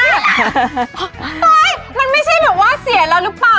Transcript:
โต๊ะมันไม่ใช่เหมือนว่าเสียแล้วหรือเปล่า